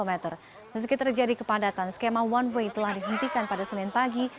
meski terjadi kepadatan skema one way telah dihentikan pada senin pagi